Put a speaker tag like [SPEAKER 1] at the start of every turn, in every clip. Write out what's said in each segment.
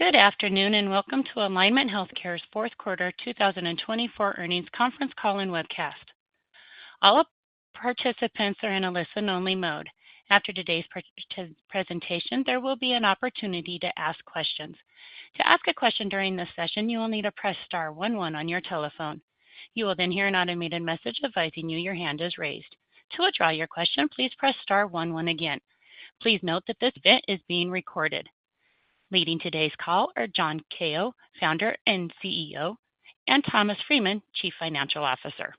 [SPEAKER 1] Good afternoon and welcome to Alignment Healthcare's fourth quarter 2024 earnings conference call and webcast. All participants are in a listen-only mode. After today's presentation, there will be an opportunity to ask questions. To ask a question during this session, you will need to press star one one on your telephone. You will then hear an automated message advising you your hand is raised. To withdraw your question, please press star one one again. Please note that this event is being recorded. Leading today's call are John Kao, Founder and CEO, and Thomas Freeman, Chief Financial Officer.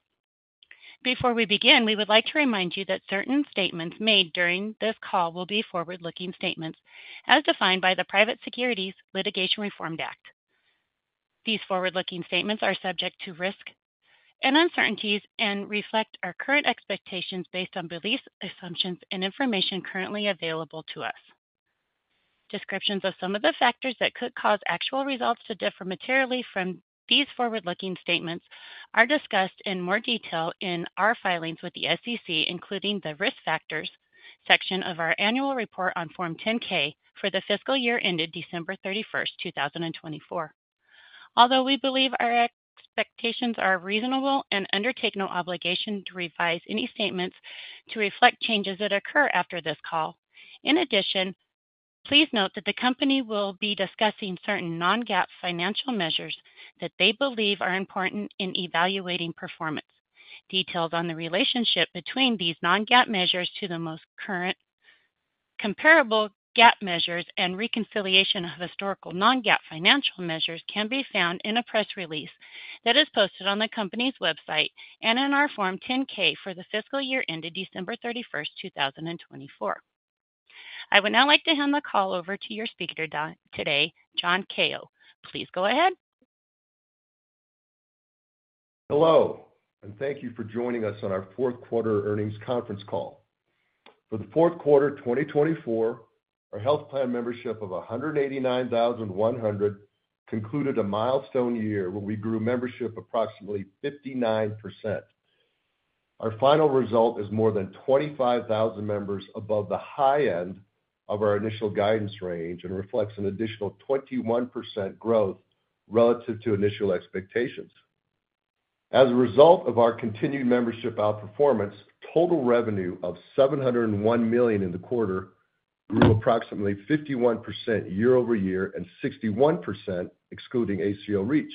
[SPEAKER 1] Before we begin, we would like to remind you that certain statements made during this call will be forward-looking statements, as defined by the Private Securities Litigation Reform Act. These forward-looking statements are subject to risk and uncertainties and reflect our current expectations based on beliefs, assumptions, and information currently available to us. Descriptions of some of the factors that could cause actual results to differ materially from these forward-looking statements are discussed in more detail in our filings with the SEC, including the risk factors section of our annual report on Form 10-K for the fiscal year ended December 31st, 2024. Although we believe our expectations are reasonable and undertake no obligation to revise any statements to reflect changes that occur after this call, in addition, please note that the company will be discussing certain non-GAAP financial measures that they believe are important in evaluating performance. Details on the relationship between these non-GAAP measures to the most current comparable GAAP measures and reconciliation of historical non-GAAP financial measures can be found in a press release that is posted on the company's website and in our Form 10-K for the fiscal year ended December 31st, 2024. I would now like to hand the call over to your speaker today, John Kao. Please go ahead.
[SPEAKER 2] Hello, and thank you for joining us on our fourth quarter earnings conference call. For the fourth quarter 2024, our health plan membership of 189,100 concluded a milestone year where we grew membership approximately 59%. Our final result is more than 25,000 members above the high end of our initial guidance range and reflects an additional 21% growth relative to initial expectations. As a result of our continued membership outperformance, total revenue of $701 million in the quarter grew approximately 51% year over year and 61% excluding ACO REACH.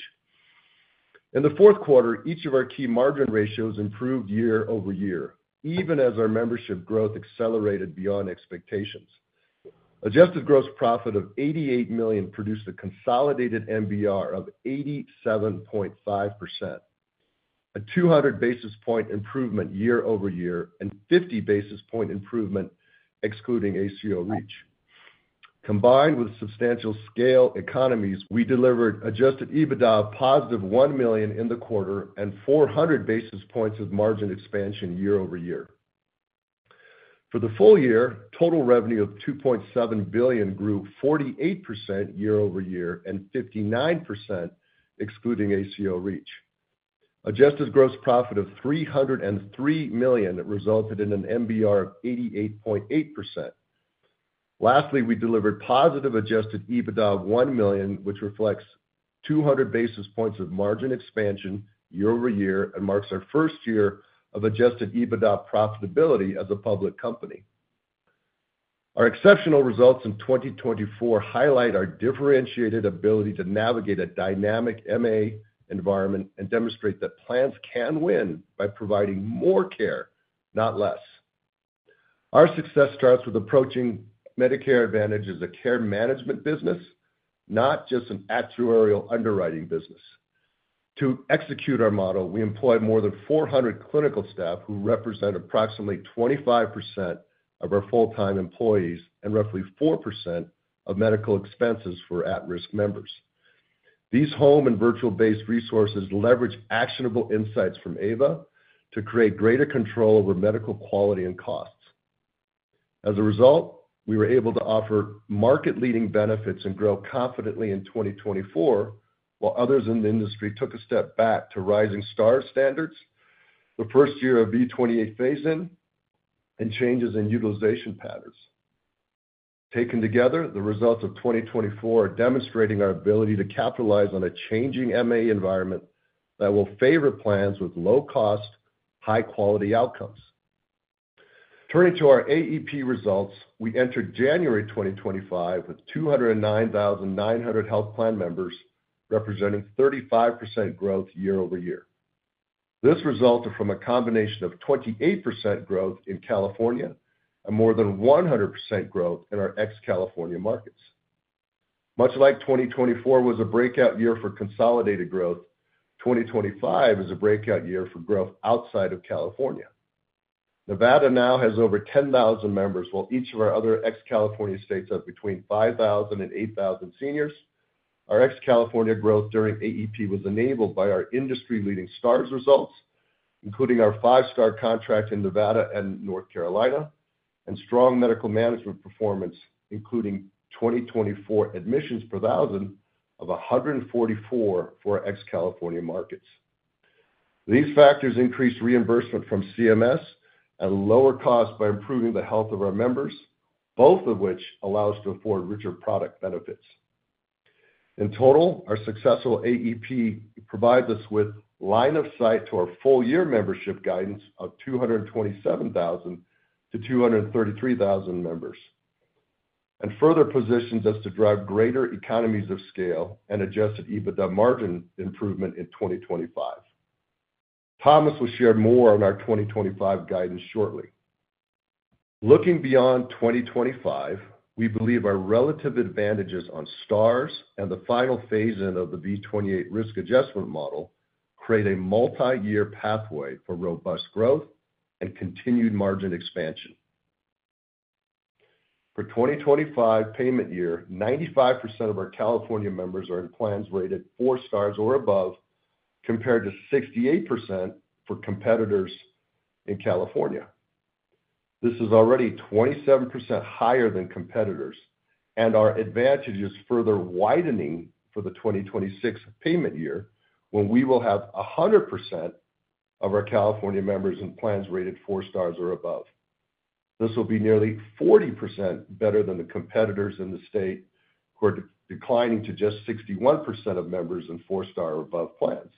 [SPEAKER 2] In the fourth quarter, each of our key margin ratios improved year over year, even as our membership growth accelerated beyond expectations. Adjusted gross profit of $88 million produced a consolidated MBR of 87.5%, a 200 bp improvement year over year, and 50 bp improvement excluding ACO REACH. Combined with substantial scale economies, we delivered adjusted EBITDA of positive $1 million in the quarter and 400 bps of margin expansion year over year. For the full year, total revenue of $2.7 billion grew 48% year over year and 59% excluding ACO REACH. Adjusted gross profit of $303 million resulted in an MBR of 88.8%. Lastly, we delivered positive adjusted EBITDA of $1 million, which reflects 200 bps of margin expansion year over year and marks our first year of adjusted EBITDA profitability as a public company. Our exceptional results in 2024 highlight our differentiated ability to navigate a dynamic MA environment and demonstrate that plans can win by providing more care, not less. Our success starts with approaching Medicare Advantage as a care management business, not just an actuarial underwriting business. To execute our model, we employ more than 400 clinical staff who represent approximately 25% of our full-time employees and roughly 4% of medical expenses for at-risk members. These home and virtual-based resources leverage actionable insights from AVA to create greater control over medical quality and costs. As a result, we were able to offer market-leading benefits and grow confidently in 2024, while others in the industry took a step back to rising Stars standards for the first year of V28 phasing and changes in utilization patterns. Taken together, the results of 2024 are demonstrating our ability to capitalize on a changing MA environment that will favor plans with low-cost, high-quality outcomes. Turning to our AEP results, we entered January 2025 with 209,900 health plan members representing 35% growth year over year. This resulted from a combination of 28% growth in California and more than 100% growth in our ex-California markets. Much like 2024 was a breakout year for consolidated growth, 2025 is a breakout year for growth outside of California. Nevada now has over 10,000 members, while each of our other ex-California states has between 5,000 and 8,000 seniors. Our ex-California growth during AEP was enabled by our industry-leading Stars results, including our five-star contract in Nevada and North Carolina, and strong medical management performance, including 2024 admissions per 1,000 of 144 for our ex-California markets. These factors increased reimbursement from CMS and lower costs by improving the health of our members, both of which allow us to afford richer product benefits. In total, our successful AEP provides us with line of sight to our full-year membership guidance of 227,000 to 233,000 members and further positions us to drive greater economies of scale and Adjusted EBITDA margin improvement in 2025. Thomas will share more on our 2025 guidance shortly. Looking beyond 2025, we believe our relative advantages on Stars and the final phasing of the V28 risk adjustment model create a multi-year pathway for robust growth and continued margin expansion. For 2025 payment year, 95% of our California members are in plans rated four Stars or above, compared to 68% for competitors in California. This is already 27% higher than competitors, and our advantage is further widening for the 2026 payment year when we will have 100% of our California members in plans rated four Stars or above. This will be nearly 40% better than the competitors in the state who are declining to just 61% of members in four-star or above plans.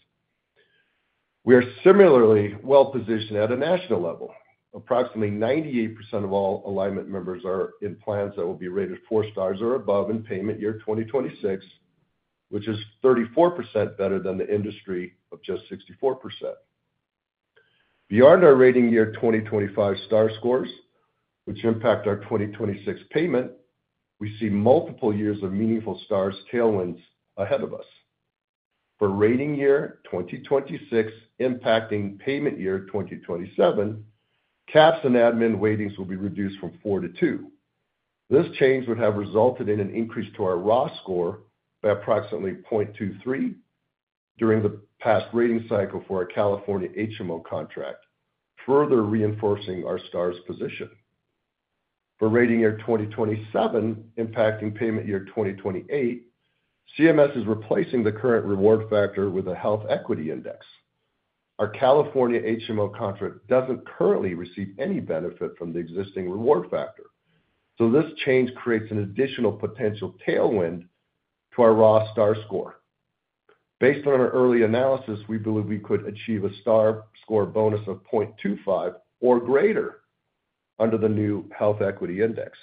[SPEAKER 2] We are similarly well-positioned at a national level. Approximately 98% of all Alignment members are in plans that will be rated four Stars or above in payment year 2026, which is 34% better than the industry of just 64%. Beyond our rating year 2025 Stars scores, which impact our 2026 payment, we see multiple years of meaningful Stars tailwinds ahead of us. For rating year 2026 impacting payment year 2027, caps and admin weightings will be reduced from four to two. This change would have resulted in an increase to our raw score by approximately 0.23 during the past rating cycle for our California HMO contract, further reinforcing our Stars position. For rating year 2027 impacting payment year 2028, CMS is replacing the current Reward Factor with a Health Equity Index. Our California HMO contract doesn't currently receive any benefit from the existing Reward Factor, so this change creates an additional potential tailwind to our raw Stars score. Based on our early analysis, we believe we could achieve a Stars score bonus of 0.25 or greater under the new Health Equity Index.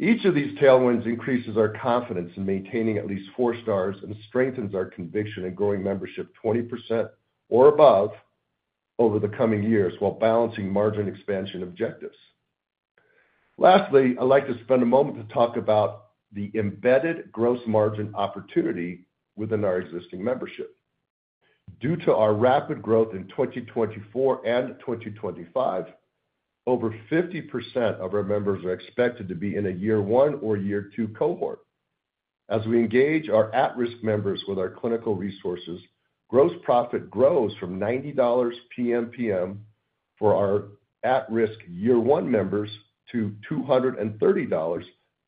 [SPEAKER 2] Each of these tailwinds increases our confidence in maintaining at least four Stars and strengthens our conviction in growing membership 20% or above over the coming years while balancing margin expansion objectives. Lastly, I'd like to spend a moment to talk about the embedded gross margin opportunity within our existing membership. Due to our rapid growth in 2024 and 2025, over 50% of our members are expected to be in a Year 1 or Year 2 cohort. As we engage our at-risk members with our clinical resources, gross profit grows from $90 PMPM for our at-risk Year 1 members to $230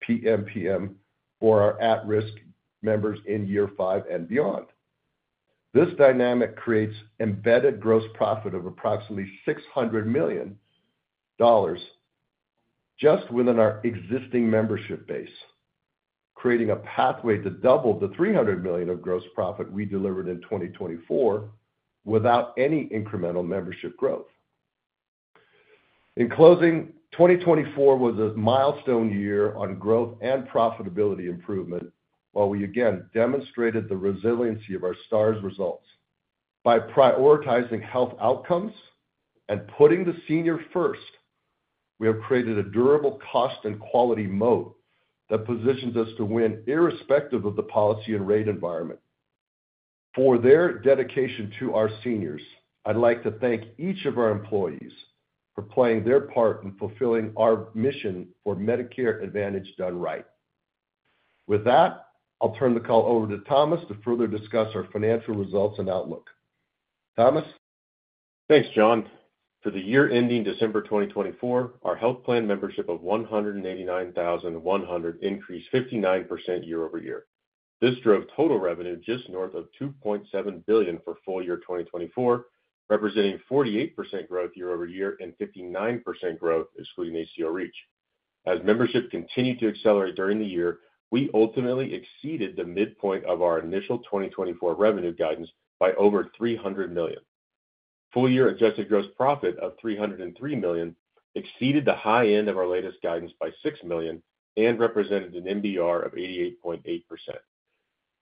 [SPEAKER 2] PMPM for our at-risk members in year five and beyond. This dynamic creates embedded gross profit of approximately $600 million just within our existing membership base, creating a pathway to double the $300 million of gross profit we delivered in 2024 without any incremental membership growth. In closing, 2024 was a milestone year on growth and profitability improvement, while we again demonstrated the resiliency of our Stars results. By prioritizing health outcomes and putting the senior first, we have created a durable cost and quality model that positions us to win irrespective of the policy and rate environment. For their dedication to our seniors, I'd like to thank each of our employees for playing their part in fulfilling our mission for Medicare Advantage done right. With that, I'll turn the call over to Thomas to further discuss our financial results and outlook. Thomas.
[SPEAKER 3] Thanks, John. For the year ending December 2024, our health plan membership of 189,100 increased 59% year over year. This drove total revenue just North of $2.7 billion for full year 2024, representing 48% growth year over year and 59% growth excluding ACO REACH. As membership continued to accelerate during the year, we ultimately exceeded the midpoint of our initial 2024 revenue guidance by over $300 million. Full-year adjusted gross profit of $303 million exceeded the high end of our latest guidance by $6 million and represented an MBR of 88.8%.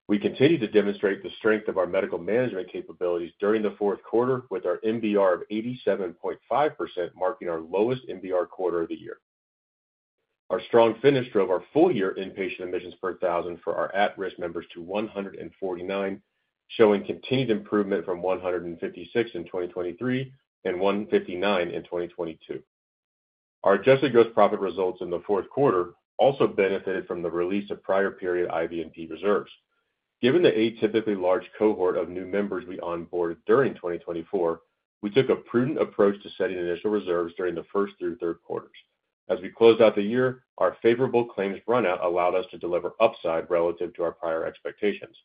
[SPEAKER 3] We continued to demonstrate the strength of our medical management capabilities during the fourth quarter with our MBR of 87.5%, marking our lowest MBR quarter of the year. Our strong finish drove our full-year inpatient admissions per thousand for our at-risk members to 149, showing continued improvement from 156 in 2023 and 159 in 2022. Our adjusted gross profit results in the fourth quarter also benefited from the release of prior-period IBNR reserves. Given the atypically large cohort of new members we onboarded during 2024, we took a prudent approach to setting initial reserves during the first through third quarters. As we closed out the year, our favorable claims runout allowed us to deliver upside relative to our prior expectations.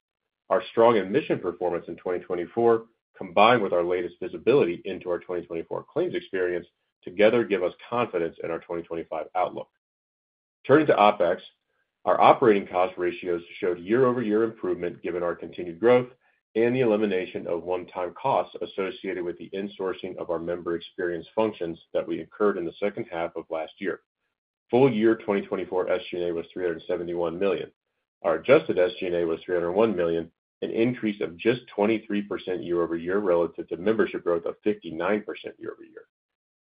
[SPEAKER 3] Our strong admission performance in 2024, combined with our latest visibility into our 2024 claims experience, together give us confidence in our 2025 outlook. Turning to OpEx, our operating cost ratios showed year-over-year improvement given our continued growth and the elimination of one-time costs associated with the insourcing of our member experience functions that we incurred in the second half of last year. Full year 2024 SG&A was $371 million. Our adjusted SG&A was $301 million, an increase of just 23% year-over-year relative to membership growth of 59% year-over-year.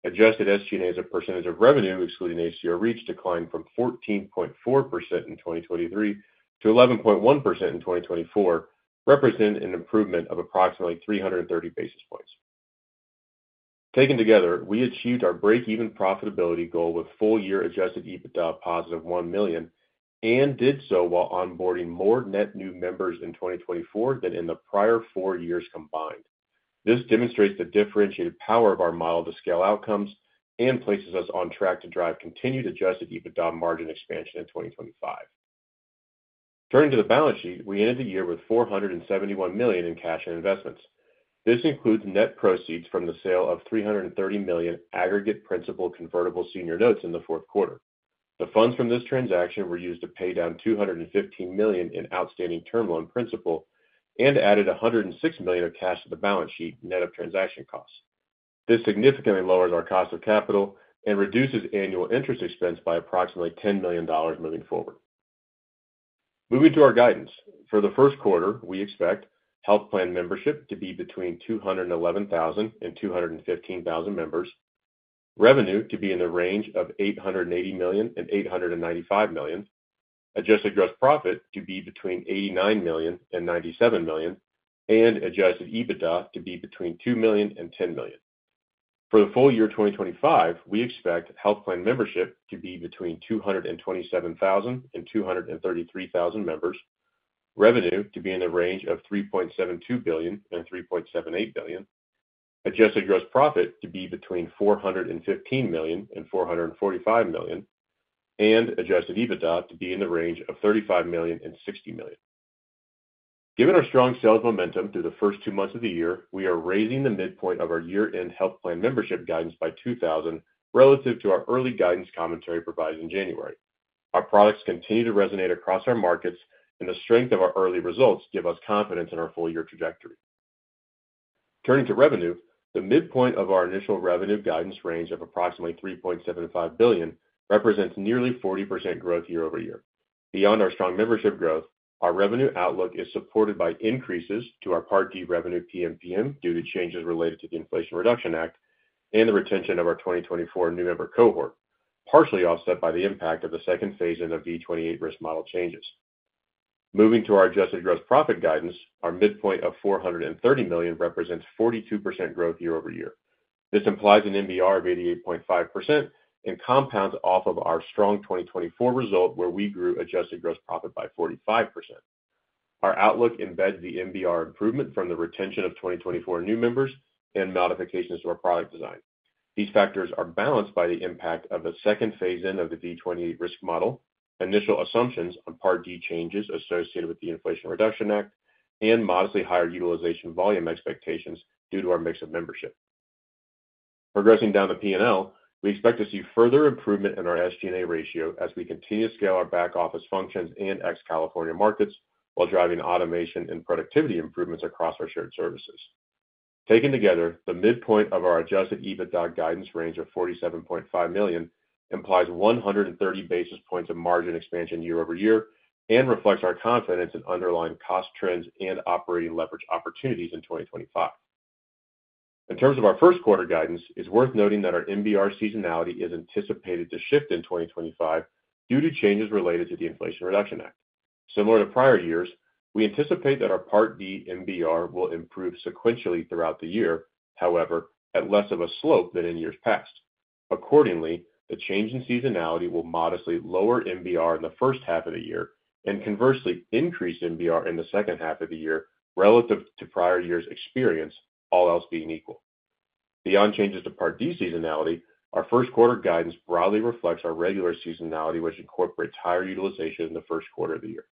[SPEAKER 3] Adjusted SG&A's percentage of revenue, excluding ACO REACH, declined from 14.4% in 2023 to 11.1% in 2024, representing an improvement of approximately 330 bps. Taken together, we achieved our break-even profitability goal with full-year adjusted EBITDA positive $1 million and did so while onboarding more net new members in 2024 than in the prior four years combined. This demonstrates the differentiated power of our model to scale outcomes and places us on track to drive continued adjusted EBITDA margin expansion in 2025. Turning to the balance sheet, we ended the year with $471 million in cash and investments. This includes net proceeds from the sale of $330 million aggregate principal convertible senior notes in the fourth quarter. The funds from this transaction were used to pay down $215 million in outstanding term loan principal and added $106 million of cash to the balance sheet net of transaction costs. This significantly lowers our cost of capital and reduces annual interest expense by approximately $10 million moving forward. Moving to our guidance. For the first quarter, we expect health plan membership to be between 211,000 and 215,000 members, revenue to be in the range of $880 million and $895 million, adjusted gross profit to be between $89 million and $97 million, and adjusted EBITDA to be between $2 million and $10 million. For the full year 2025, we expect health plan membership to be between 227,000 and 233,000 members, revenue to be in the range of $3.72 billion and $3.78 billion, adjusted gross profit to be between $415 million and $445 million, and adjusted EBITDA to be in the range of $35 million and $60 million. Given our strong sales momentum through the first two months of the year, we are raising the midpoint of our year-end health plan membership guidance by $2,000 relative to our early guidance commentary provided in January. Our products continue to resonate across our markets, and the strength of our early results gives us confidence in our full-year trajectory. Turning to revenue, the midpoint of our initial revenue guidance range of approximately $3.75 billion represents nearly 40% growth year-over-year. Beyond our strong membership growth, our revenue outlook is supported by increases to our Part D revenue PMPM due to changes related to the Inflation Reduction Act and the retention of our 2024 new member cohort, partially offset by the impact of the second phase in the V28 risk model changes. Moving to our adjusted gross profit guidance, our midpoint of $430 million represents 42% growth year-over-year. This implies an MBR of 88.5% and compounds off of our strong 2024 result, where we grew adjusted gross profit by 45%. Our outlook embeds the MBR improvement from the retention of 2024 new members and modifications to our product design. These factors are balanced by the impact of the second phase of the V28 risk model, initial assumptions on Part D changes associated with the Inflation Reduction Act, and modestly higher utilization volume expectations due to our mix of membership. Progressing down the P&L, we expect to see further improvement in our SG&A ratio as we continue to scale our back office functions and ex-California markets while driving automation and productivity improvements across our shared services. Taken together, the midpoint of our adjusted EBITDA guidance range of $47.5 million implies 130 bps of margin expansion year-over-year and reflects our confidence in underlying cost trends and operating leverage opportunities in 2025. In terms of our first quarter guidance, it's worth noting that our MBR seasonality is anticipated to shift in 2025 due to changes related to the Inflation Reduction Act. Similar to prior years, we anticipate that our Part D MBR will improve sequentially throughout the year, however, at less of a slope than in years past. Accordingly, the change in seasonality will modestly lower MBR in the first half of the year and conversely increase MBR in the second half of the year relative to prior year's experience, all else being equal. Beyond changes to Part D seasonality, our first quarter guidance broadly reflects our regular seasonality, which incorporates higher utilization in the first quarter of the year.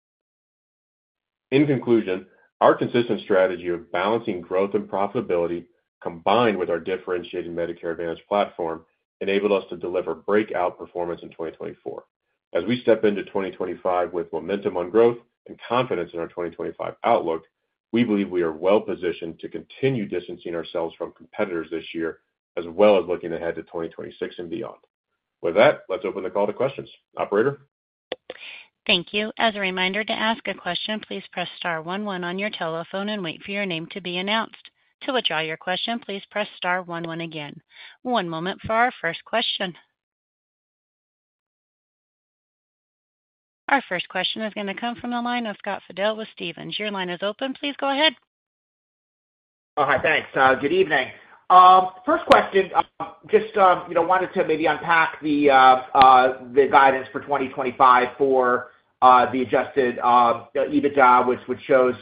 [SPEAKER 3] In conclusion, our consistent strategy of balancing growth and profitability combined with our differentiated Medicare Advantage platform enabled us to deliver breakout performance in 2024. As we step into 2025 with momentum on growth and confidence in our 2025 outlook, we believe we are well-positioned to continue distancing ourselves from competitors this year, as well as looking ahead to 2026 and beyond. With that, let's open the call to questions. Operator.
[SPEAKER 1] Thank you. As a reminder, to ask a question, please press star one one on your telephone and wait for your name to be announced. To withdraw your question, please press star one one again. One moment for our first question. Our first question is going to come from the line of Scott Fidel with Stephens. Your line is open. Please go ahead.
[SPEAKER 4] Oh, hi. Thanks. Good evening. First question, just wanted to maybe unpack the guidance for 2025 for the Adjusted EBITDA, which shows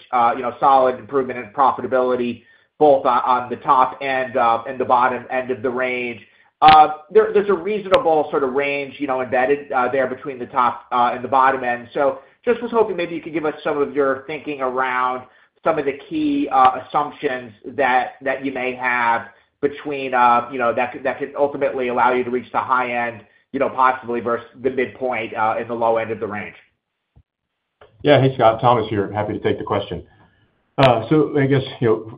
[SPEAKER 4] solid improvement in profitability both on the top and the bottom end of the range. There's a reasonable sort of range embedded there between the top and the bottom end. So just was hoping maybe you could give us some of your thinking around some of the key assumptions that you may have between that could ultimately allow you to reach the high end possibly versus the midpoint in the low end of the range.
[SPEAKER 3] Yeah. Hey, Scott. Thomas here. Happy to take the question. So I guess,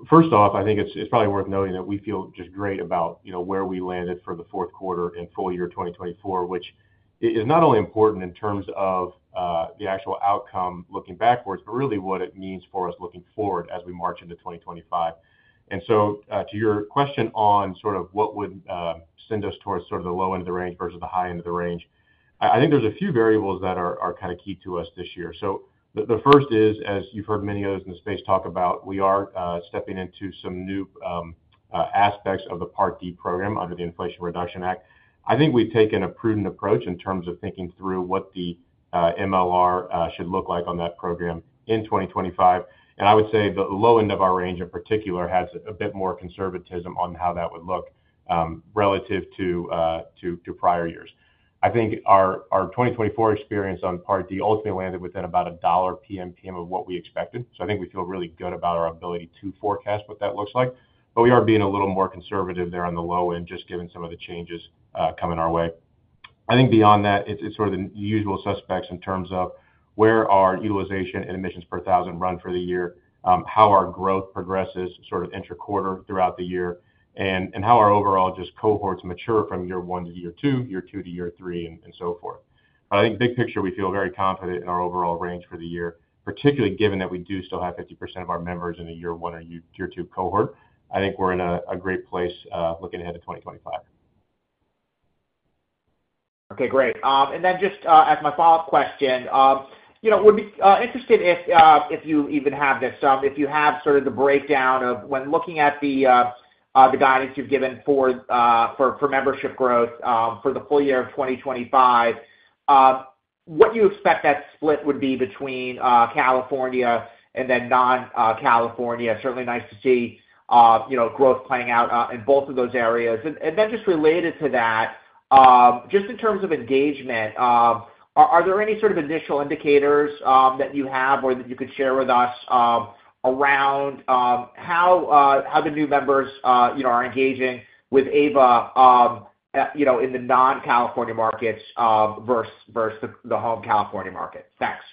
[SPEAKER 3] first off, I think it's probably worth noting that we feel just great about where we landed for the fourth quarter and full year 2024, which is not only important in terms of the actual outcome looking backwards, but really what it means for us looking forward as we march into 2025. And so to your question on sort of what would send us towards sort of the low end of the range versus the high end of the range, I think there's a few variables that are kind of key to us this year. So the first is, as you've heard many others in the space talk about, we are stepping into some new aspects of the Part D program under the Inflation Reduction Act. I think we've taken a prudent approach in terms of thinking through what the MLR should look like on that program in 2025, and I would say the low end of our range in particular has a bit more conservatism on how that would look relative to prior years. I think our 2024 experience on Part D ultimately landed within about $1 PMPM of what we expected, so I think we feel really good about our ability to forecast what that looks like, but we are being a little more conservative there on the low end, just given some of the changes coming our way. I think beyond that, it's sort of the usual suspects in terms of where our utilization and admissions per thousand run for the year, how our growth progresses sort of interquarter throughout the year, and how our overall just cohorts mature from year one to year two, year two to year three, and so forth, but I think big picture, we feel very confident in our overall range for the year, particularly given that we do still have 50% of our members in the year one or year two cohort. I think we're in a great place looking ahead to 2025.
[SPEAKER 4] Okay. Great. And then just as my follow-up question, would be interested if you even have this, if you have sort of the breakdown of when looking at the guidance you've given for membership growth for the full year of 2025, what you expect that split would be between California and then non-California. Certainly nice to see growth playing out in both of those areas. And then just related to that, just in terms of engagement, are there any sort of initial indicators that you have or that you could share with us around how the new members are engaging with AVA in the non-California markets versus the home California market? Thanks.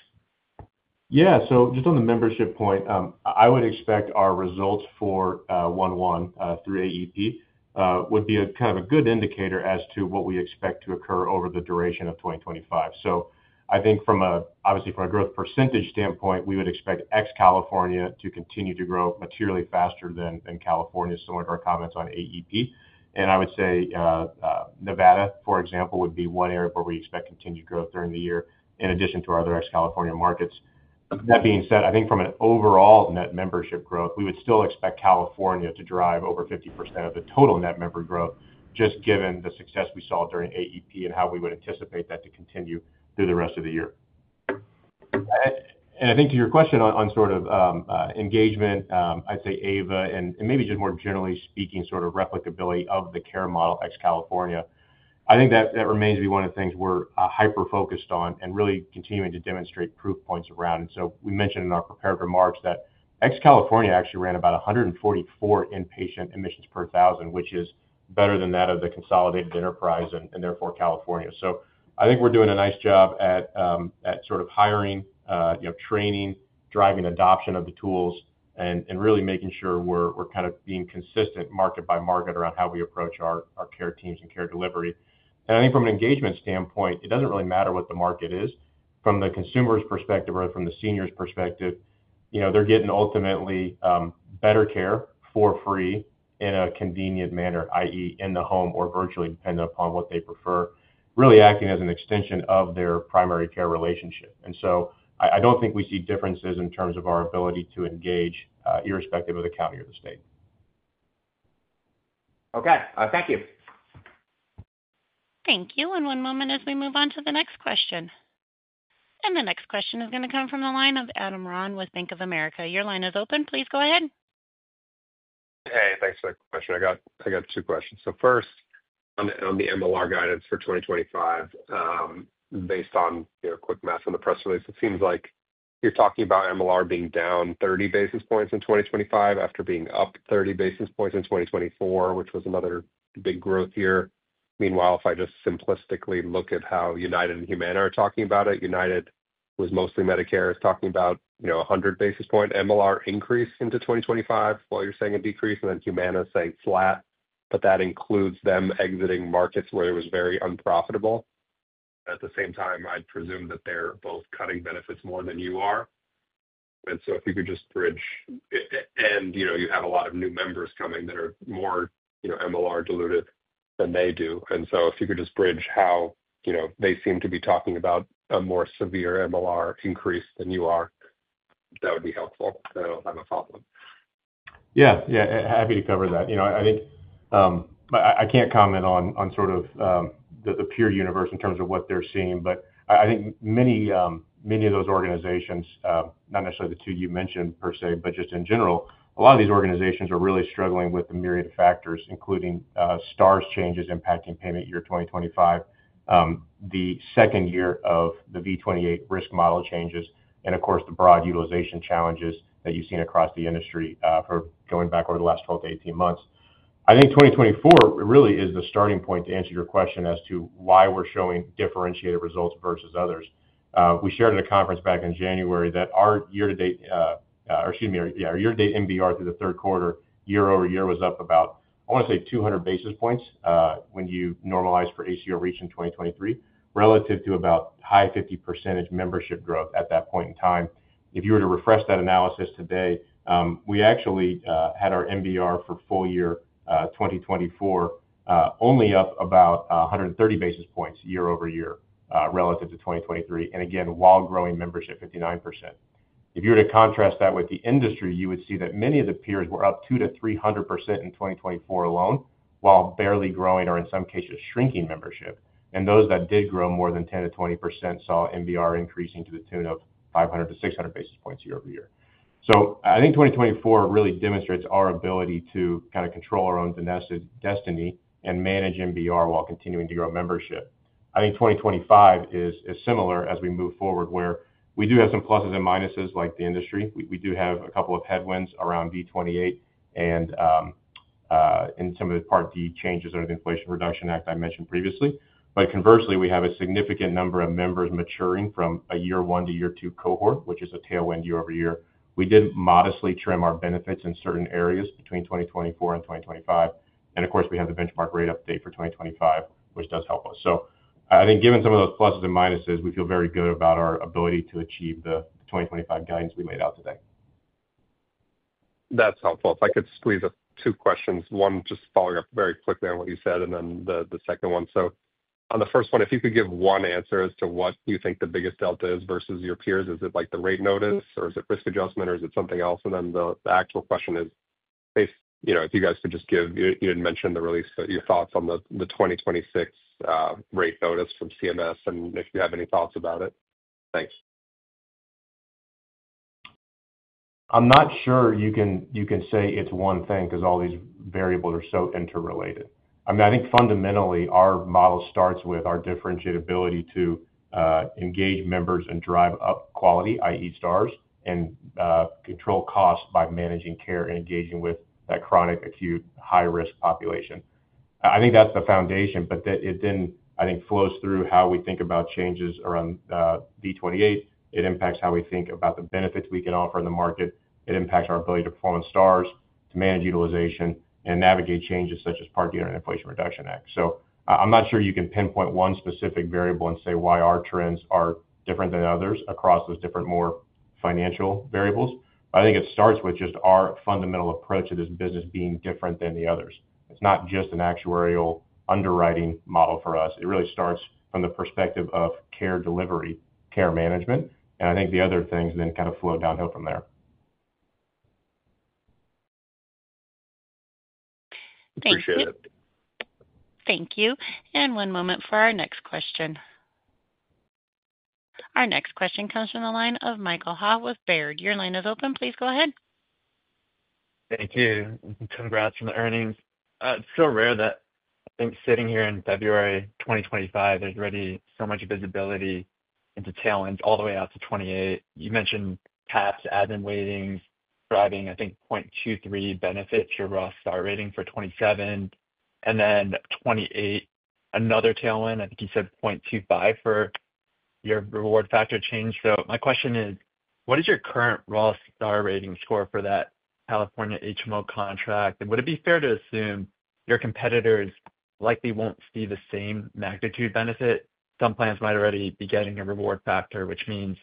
[SPEAKER 3] Yeah. So just on the membership point, I would expect our results for 1/1 through AEP would be a kind of a good indicator as to what we expect to occur over the duration of 2025. So I think from a, obviously, growth percentage standpoint, we would expect ex-California to continue to grow materially faster than California, similar to our comments on AEP. And I would say Nevada, for example, would be one area where we expect continued growth during the year in addition to our other ex-California markets. That being said, I think from an overall net membership growth, we would still expect California to drive over 50% of the total net member growth, just given the success we saw during AEP and how we would anticipate that to continue through the rest of the year. And I think to your question on sort of engagement, I'd say AVA and maybe just more generally speaking, sort of replicability of the care model ex-California, I think that remains to be one of the things we're hyper-focused on and really continuing to demonstrate proof points around. And so we mentioned in our prepared remarks that ex-California actually ran about 144 inpatient admissions per thousand, which is better than that of the consolidated enterprise and therefore California. So I think we're doing a nice job at sort of hiring, training, driving adoption of the tools, and really making sure we're kind of being consistent market by market around how we approach our care teams and care delivery. And I think from an engagement standpoint, it doesn't really matter what the market is. From the consumer's perspective or from the senior's perspective, they're getting ultimately better care for free in a convenient manner, i.e., in the home or virtually depending upon what they prefer, really acting as an extension of their primary care relationship, and so I don't think we see differences in terms of our ability to engage irrespective of the county or the state.
[SPEAKER 4] Okay. Thank you.
[SPEAKER 1] Thank you. One moment as we move on to the next question. The next question is going to come from the line of Adam Ron with Bank of America. Your line is open. Please go ahead.
[SPEAKER 5] Hey. Thanks for the question. I got two questions. So first, on the MLR guidance for 2025, based on a quick math on the press release, it seems like you're talking about MLR being down 30 bps in 2025 after being up 30 bps in 2024, which was another big growth year. Meanwhile, if I just simplistically look at how United and Humana are talking about it, United is talking about 100 bp MLR increase into 2025 while you're saying a decrease, and then Humana is saying flat, but that includes them exiting markets where it was very unprofitable. At the same time, I'd presume that they're both cutting benefits more than you are. And so if you could just bridge, and you have a lot of new members coming that are more MLR diluted than they do. And so if you could just bridge how they seem to be talking about a more severe MLR increase than you are, that would be helpful. I don't have a problem.
[SPEAKER 3] Yeah. Yeah. Happy to cover that. I think I can't comment on sort of the pure universe in terms of what they're seeing, but I think many of those organizations, not necessarily the two you mentioned per se, but just in general, a lot of these organizations are really struggling with a myriad of factors, including Stars changes impacting payment year 2025, the second year of the V28 risk model changes, and of course, the broad utilization challenges that you've seen across the industry for going back over the last 12 to 18 months. I think 2024 really is the starting point to answer your question as to why we're showing differentiated results versus others. We shared at a conference back in January that our year-to-date or excuse me, our year-to-date MBR through the third quarter year-over-year was up about, I want to say, 200 bps when you normalize for ACO REACH in 2023 relative to about high 50 percentage membership growth at that point in time. If you were to refresh that analysis today, we actually had our MBR for full year 2024 only up about 130 bps year-over-year relative to 2023, and again, while growing membership 59%. If you were to contrast that with the industry, you would see that many of the peers were up 2% to 300% in 2024 alone, while barely growing or in some cases shrinking membership. Those that did grow more than 10% to 20% saw MBR increasing to the tune of 500 bps to 600 bps year-over-year. So I think 2024 really demonstrates our ability to kind of control our own destiny and manage MBR while continuing to grow membership. I think 2025 is similar as we move forward where we do have some pluses and minuses like the industry. We do have a couple of headwinds around V28 and some of the Part D changes under the Inflation Reduction Act I mentioned previously. But conversely, we have a significant number of members maturing from a year one to year two cohort, which is a tailwind year-over-year. We did modestly trim our benefits in certain areas between 2024 and 2025. And of course, we have the benchmark rate update for 2025, which does help us. So I think given some of those pluses and minuses, we feel very good about our ability to achieve the 2025 guidance we laid out today.
[SPEAKER 5] That's helpful. If I could squeeze two questions, one just following up very quickly on what you said and then the second one. So on the first one, if you could give one answer as to what you think the biggest delta is versus your peers, is it like the rate notice or is it risk adjustment or is it something else? And then the actual question is, if you guys could just give, you didn't mention the release, but your thoughts on the 2026 rate notice from CMS and if you have any thoughts about it. Thanks.
[SPEAKER 3] I'm not sure you can say it's one thing because all these variables are so interrelated. I mean, I think fundamentally, our model starts with our differentiated ability to engage members and drive up quality, i.e., Stars, and control costs by managing care and engaging with that chronic acute high-risk population. I think that's the foundation, but it then, I think, flows through how we think about changes around V28. It impacts how we think about the benefits we can offer in the market. It impacts our ability to perform on Stars, to manage utilization, and navigate changes such as Part D under the Inflation Reduction Act. So I'm not sure you can pinpoint one specific variable and say why our trends are different than others across those different more financial variables. But I think it starts with just our fundamental approach to this business being different than the others. It's not just an actuarial underwriting model for us. It really starts from the perspective of care delivery, care management. And I think the other things then kind of flow downhill from there.
[SPEAKER 1] Thank you.
[SPEAKER 5] Appreciate it.
[SPEAKER 1] Thank you. And one moment for our next question. Our next question comes from the line of Michael Ha with Baird. Your line is open. Please go ahead.
[SPEAKER 6] Thank you. Congrats on the earnings. It's so rare that I think sitting here in February 2025, there's already so much visibility into tailwinds all the way out to 28. You mentioned caps and admin weightings driving, I think, 0.23 benefit to your overall STAR rating for 27. And then 28, another tailwind. I think you said 0.25 for your reward factor change. So my question is, what is your current overall STAR rating score for that California HMO contract? And would it be fair to assume your competitors likely won't see the same magnitude benefit? Some plans might already be getting a reward factor, which means,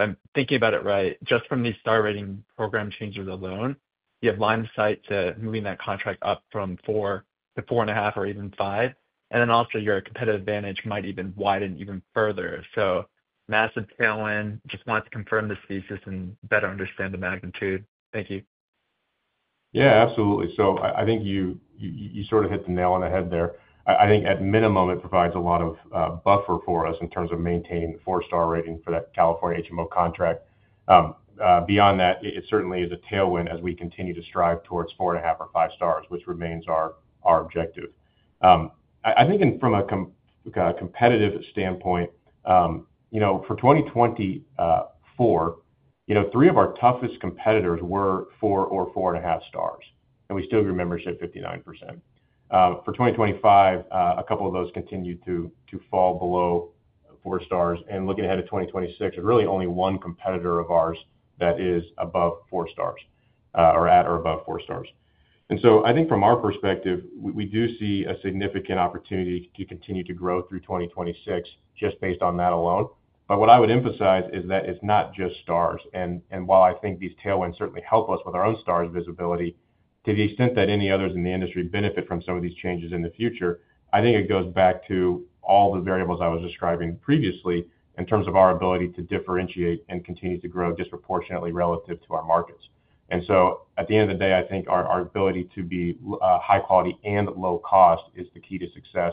[SPEAKER 6] if I'm thinking about it right, just from these STAR rating program changes alone, you have line of sight to moving that contract up from four to four and a half or even five. And then also, your competitive advantage might even widen even further. So massive tailwind. Just wanted to confirm this thesis and better understand the magnitude. Thank you.
[SPEAKER 3] Yeah, absolutely. So I think you sort of hit the nail on the head there. I think at minimum, it provides a lot of buffer for us in terms of maintaining the four-star rating for that California HMO contract. Beyond that, it certainly is a tailwind as we continue to strive towards four and a half or five Stars, which remains our objective. I think from a competitive standpoint, for 2024, three of our toughest competitors were four or four and a half Stars, and we still grew membership 59%. For 2025, a couple of those continued to fall below four Stars. And looking ahead to 2026, there's really only one competitor of ours that is above four Stars or at or above four Stars. And so I think from our perspective, we do see a significant opportunity to continue to grow through 2026 just based on that alone. What I would emphasize is that it's not just Stars. While I think these tailwinds certainly help us with our own Stars visibility, to the extent that any others in the industry benefit from some of these changes in the future, I think it goes back to all the variables I was describing previously in terms of our ability to differentiate and continue to grow disproportionately relative to our markets. So at the end of the day, I think our ability to be high quality and low cost is the key to success.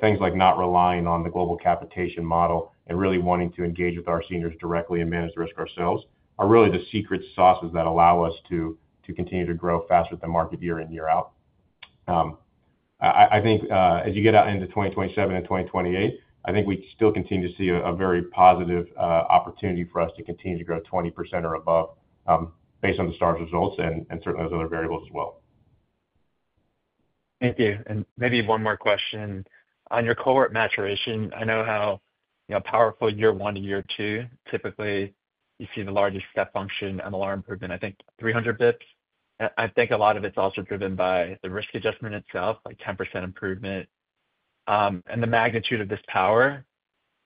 [SPEAKER 3] Things like not relying on the global capitation model and really wanting to engage with our seniors directly and manage the risk ourselves are really the secret sauces that allow us to continue to grow faster than market year in, year out. I think as you get out into 2027 and 2028, I think we still continue to see a very positive opportunity for us to continue to grow 20% or above based on the Stars results and certainly those other variables as well.
[SPEAKER 6] Thank you, and maybe one more question. On your cohort maturation, I know how powerful year one and year two typically you see the largest step function and MLR improvement, I think 300 bps. I think a lot of it's also driven by the risk adjustment itself, like 10% improvement. And the magnitude of this power,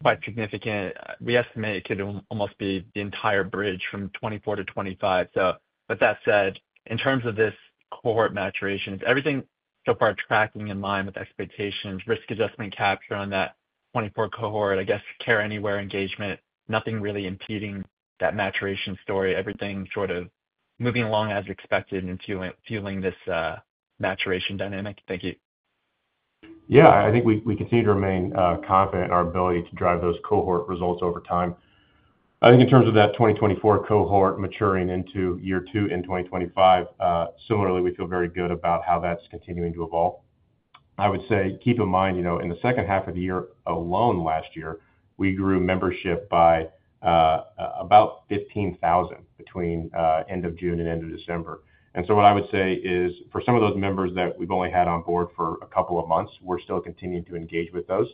[SPEAKER 6] quite significant, we estimate it could almost be the entire bridge from 2024 to 2025, so with that said, in terms of this cohort maturation, is everything so far tracking in line with expectations, risk adjustment capture on that 2024 cohort, I guess Care Anywhere engagement, nothing really impeding that maturation story, everything sort of moving along as expected and fueling this maturation dynamic? Thank you.
[SPEAKER 3] Yeah. I think we continue to remain confident in our ability to drive those cohort results over time. I think in terms of that 2024 cohort maturing into year two in 2025, similarly, we feel very good about how that's continuing to evolve. I would say keep in mind, in the second half of the year alone last year, we grew membership by about 15,000 between end of June and end of December. And so what I would say is for some of those members that we've only had on board for a couple of months, we're still continuing to engage with those.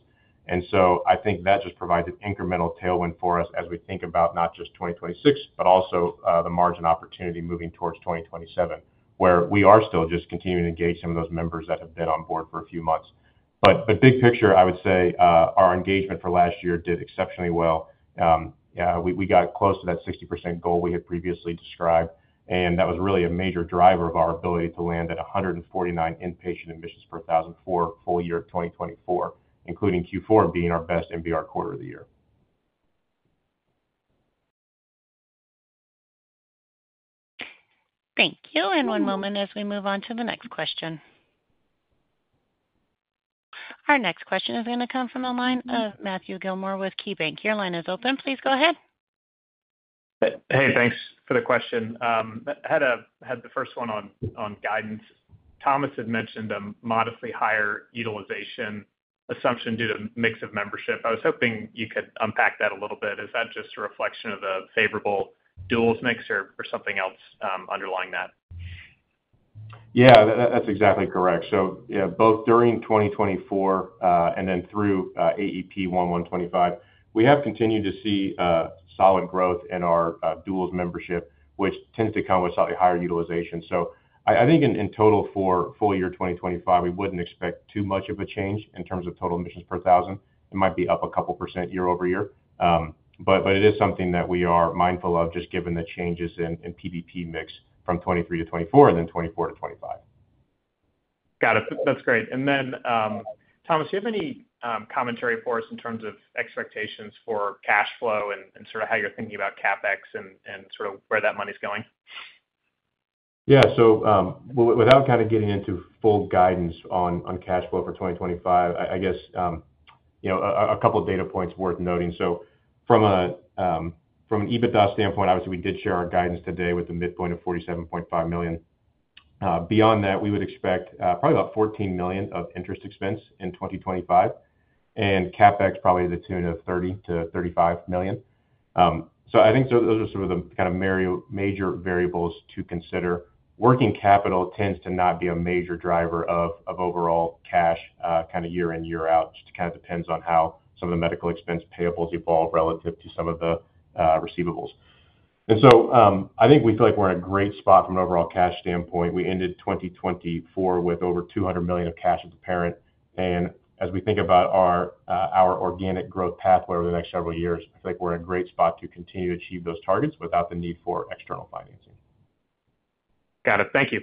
[SPEAKER 3] And so I think that just provides an incremental tailwind for us as we think about not just 2026, but also the margin opportunity moving towards 2027, where we are still just continuing to engage some of those members that have been on board for a few months. But big picture, I would say our engagement for last year did exceptionally well. We got close to that 60% goal we had previously described, and that was really a major driver of our ability to land at 149 inpatient admissions per thousand for full year 2024, including Q4 being our best MBR quarter of the year.
[SPEAKER 1] Thank you, and one moment as we move on to the next question. Our next question is going to come from the line of Matthew Gilmore with KeyBank. Your line is open. Please go ahead.
[SPEAKER 7] Hey. Thanks for the question. I had the first one on guidance. Thomas had mentioned a modestly higher utilization assumption due to mix of membership. I was hoping you could unpack that a little bit. Is that just a reflection of the favorable duals mix or something else underlying that?
[SPEAKER 3] Yeah, that's exactly correct. So yeah, both during 2024 and then through AEP 1/1/2025, we have continued to see solid growth in our Duals membership, which tends to come with slightly higher utilization. So I think in total for full year 2025, we wouldn't expect too much of a change in terms of total admissions per thousand. It might be up a couple % year over year. But it is something that we are mindful of just given the changes in PBP mix from 2023 to 2024 and then 2024 to 2025.
[SPEAKER 7] Got it. That's great. And then, Thomas, do you have any commentary for us in terms of expectations for cash flow and sort of how you're thinking about CapEx and sort of where that money's going?
[SPEAKER 3] Yeah. So without kind of getting into full guidance on cash flow for 2025, I guess a couple of data points worth noting. So from an EBITDA standpoint, obviously, we did share our guidance today with a midpoint of $47.5 million. Beyond that, we would expect probably about $14 million of interest expense in 2025, and CapEx probably to the tune of $30 to $35 million. So I think those are sort of the kind of major variables to consider. Working capital tends to not be a major driver of overall cash kind of year in, year out. It just kind of depends on how some of the medical expense payables evolve relative to some of the receivables. And so I think we feel like we're in a great spot from an overall cash standpoint. We ended 2024 with over $200 million of cash as apparent. As we think about our organic growth pathway over the next several years, I feel like we're in a great spot to continue to achieve those targets without the need for external financing.
[SPEAKER 7] Got it. Thank you.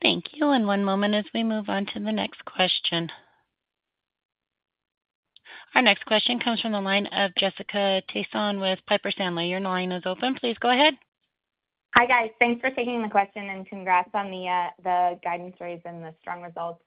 [SPEAKER 1] Thank you and one moment as we move on to the next question. Our next question comes from the line of Jessica Tassan with Piper Sandler. Your line is open. Please go ahead.
[SPEAKER 8] Hi guys. Thanks for taking the question and congrats on the guidance raise and the strong results.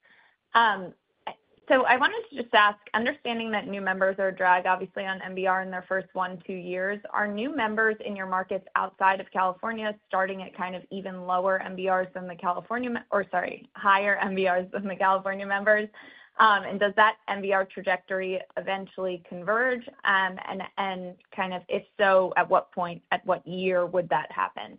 [SPEAKER 8] So I wanted to just ask, understanding that new members are a drag, obviously, on MBR in their first one, two years, are new members in your markets outside of California starting at kind of even lower MBRs than the California or sorry, higher MBRs than the California members? And does that MBR trajectory eventually converge? And kind of if so, at what point, at what year would that happen?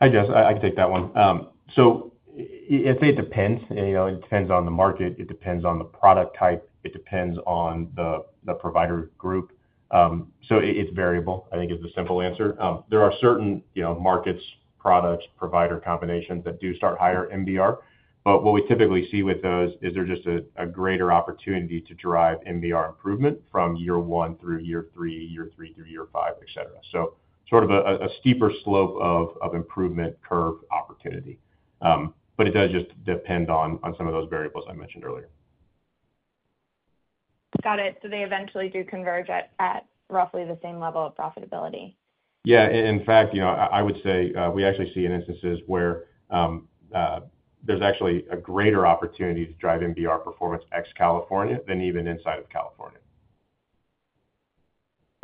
[SPEAKER 3] I guess I can take that one. So I'd say it depends. It depends on the market. It depends on the product type. It depends on the provider group. So it's variable, I think, is the simple answer. There are certain markets, products, provider combinations that do start higher MBR. But what we typically see with those is there's just a greater opportunity to drive MBR improvement from year one through year three, year three through year five, etc. So sort of a steeper slope of improvement curve opportunity. But it does just depend on some of those variables I mentioned earlier.
[SPEAKER 8] Got it. So they eventually do converge at roughly the same level of profitability.
[SPEAKER 3] Yeah. In fact, I would say we actually see instances where there's actually a greater opportunity to drive MBR performance ex-California than even inside of California.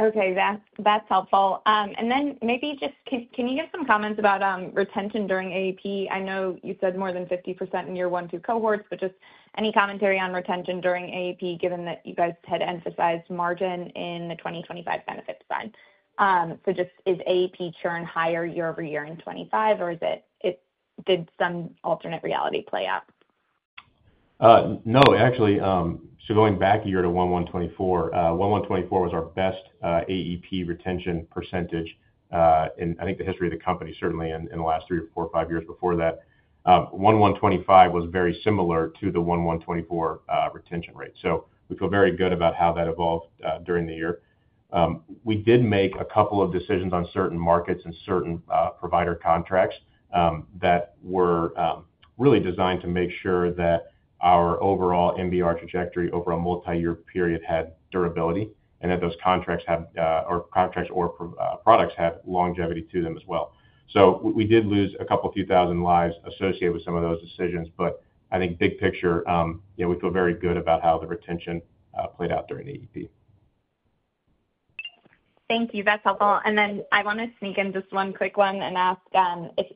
[SPEAKER 8] Okay. That's helpful. And then maybe just can you give some comments about retention during AEP? I know you said more than 50% in year one through cohorts, but just any commentary on retention during AEP, given that you guys had emphasized margin in the 2025 benefit design. So just is AEP churn higher year over year in 2025, or did some alternate reality play out?
[SPEAKER 3] No, actually, so going back a year to 1/1/2024, 1/1/2024 was our best AEP retention percentage in, I think, the history of the company, certainly in the last three, four, five years before that. 1/1/2025 was very similar to the 1/1/2024 retention rate. So we feel very good about how that evolved during the year. We did make a couple of decisions on certain markets and certain provider contracts that were really designed to make sure that our overall MBR trajectory over a multi-year period had durability and that those contracts or products had longevity to them as well. So we did lose a couple of thousand lives associated with some of those decisions. But I think big picture, we feel very good about how the retention played out during AEP.
[SPEAKER 8] Thank you. That's helpful, and then I want to sneak in just one quick one and ask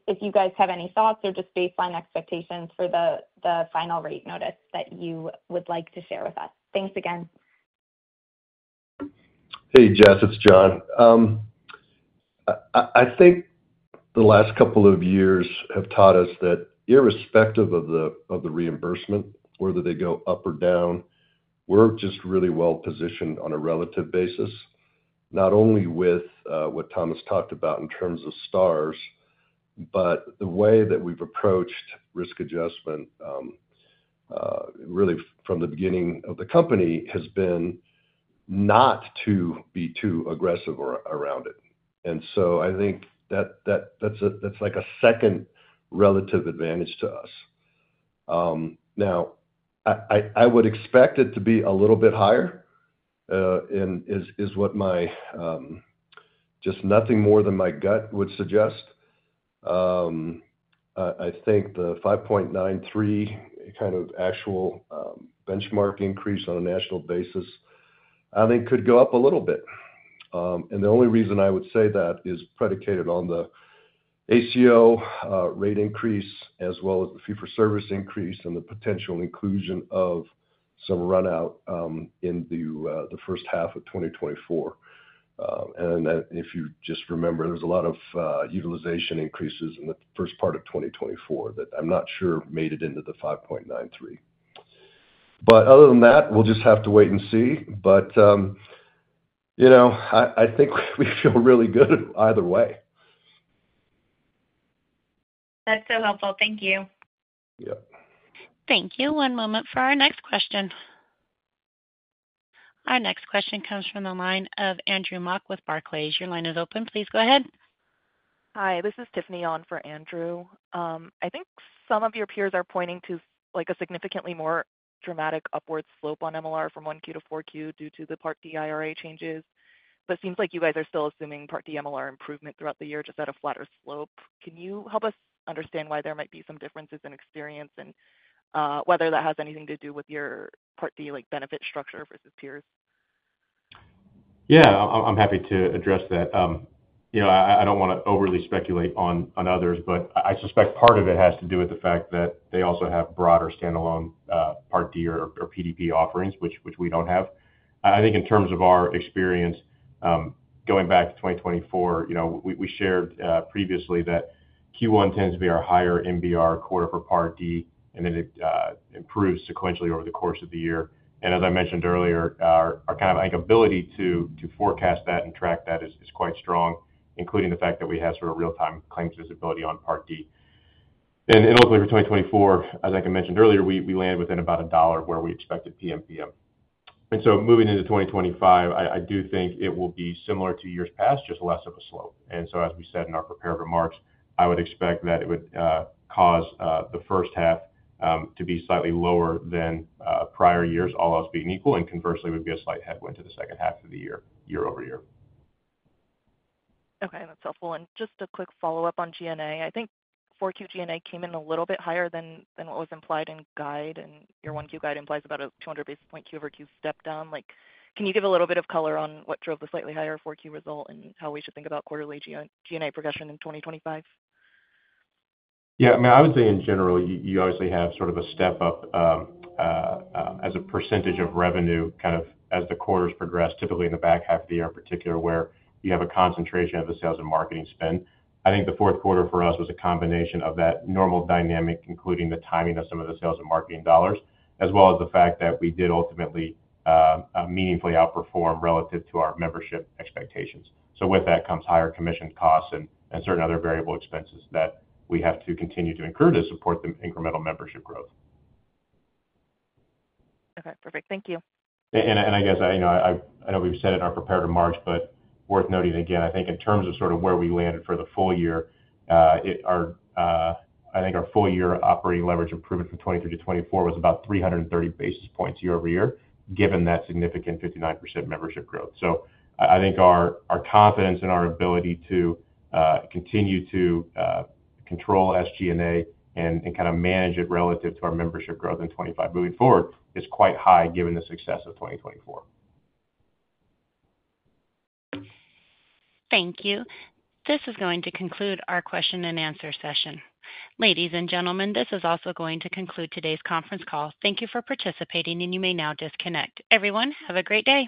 [SPEAKER 8] if you guys have any thoughts or just baseline expectations for the final rate notice that you would like to share with us? Thanks again.
[SPEAKER 2] Hey, Jess, it's John. I think the last couple of years have taught us that irrespective of the reimbursement, whether they go up or down, we're just really well positioned on a relative basis, not only with what Thomas talked about in terms of Stars, but the way that we've approached risk adjustment really from the beginning of the company has been not to be too aggressive around it. And so I think that's like a second relative advantage to us. Now, I would expect it to be a little bit higher is what just nothing more than my gut would suggest. I think the 5.93 kind of actual benchmark increase on a national basis, I think, could go up a little bit. And the only reason I would say that is predicated on the ACO rate increase as well as the fee-for-service increase and the potential inclusion of some runout in the first half of 2024. And if you just remember, there was a lot of utilization increases in the first part of 2024 that I'm not sure made it into the 5.93. But other than that, we'll just have to wait and see. But I think we feel really good either way.
[SPEAKER 8] That's so helpful. Thank you.
[SPEAKER 2] Yeah.
[SPEAKER 1] Thank you. One moment for our next question. Our next question comes from the line of Andrew Mok with Barclays. Your line is open. Please go ahead. Hi. This is Tiffany on for Andrew. I think some of your peers are pointing to a significantly more dramatic upward slope on MLR from 1Q to 4Q due to the Part D IRA changes. But it seems like you guys are still assuming Part D MLR improvement throughout the year just at a flatter slope. Can you help us understand why there might be some differences in experience and whether that has anything to do with your Part D benefit structure versus peers?
[SPEAKER 3] Yeah. I'm happy to address that. I don't want to overly speculate on others, but I suspect part of it has to do with the fact that they also have broader standalone Part D or PDP offerings, which we don't have. I think in terms of our experience, going back to 2024, we shared previously that Q1 tends to be our higher MBR quarter for Part D, and then it improves sequentially over the course of the year. And as I mentioned earlier, our kind of ability to forecast that and track that is quite strong, including the fact that we have sort of real-time claims visibility on Part D. And ultimately for 2024, as I mentioned earlier, we land within about $1 where we expected PMPM. And so moving into 2025, I do think it will be similar to years past, just less of a slope. As we said in our prepared remarks, I would expect that it would cause the first half to be slightly lower than prior years, all else being equal, and conversely, it would be a slight headwind to the second half of the year over year. Okay. That's helpful. And just a quick follow-up on SG&A. I think 4Q SG&A came in a little bit higher than what was implied in guide, and your 1Q guide implies about a 200 bp Q over Q step down. Can you give a little bit of color on what drove the slightly higher 4Q result and how we should think about quarterly SG&A progression in 2025? Yeah. I mean, I would say in general, you obviously have sort of a step up as a percentage of revenue kind of as the quarters progress, typically in the back half of the year in particular, where you have a concentration of the sales and marketing spend. I think the fourth quarter for us was a combination of that normal dynamic, including the timing of some of the sales and marketing dollars, as well as the fact that we did ultimately meaningfully outperform relative to our membership expectations. So with that comes higher commission costs and certain other variable expenses that we have to continue to incur to support the incremental membership growth. Okay. Perfect. Thank you. I guess I know we've said it in our prepared remarks, but worth noting again. I think in terms of sort of where we landed for the full year, I think our full-year operating leverage improvement from 2023 to 2024 was about 330 bp year over year, given that significant 59% membership growth. I think our confidence in our ability to continue to control SG&A and kind of manage it relative to our membership growth in 2025 moving forward is quite high given the success of 2024.
[SPEAKER 1] Thank you. This is going to conclude our question and answer session. Ladies and gentlemen, this is also going to conclude today's conference call. Thank you for participating, and you may now disconnect. Everyone, have a great day.